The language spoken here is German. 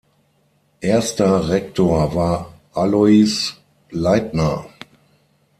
Erster Rektor war Alois Leitner.